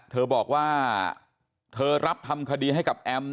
เธอบอกว่าเธอรับทำคดีให้กับแอม